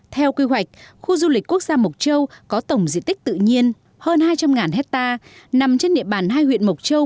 theo quy hoạch khu du lịch quốc gia mộc châu có tổng diện tích tự nhiên hơn hai trăm linh hectare